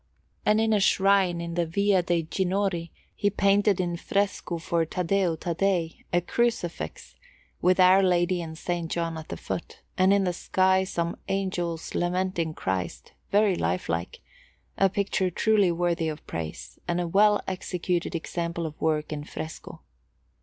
And in a shrine in the Via de' Ginori, he painted in fresco for Taddeo Taddei a Crucifix with Our Lady and S. John at the foot, and in the sky some angels lamenting Christ, very lifelike a picture truly worthy of praise, and a well executed example of work in fresco.